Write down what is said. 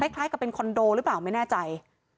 คล้ายกับเป็นคอนโดหรือเปล่าไม่แน่ใจ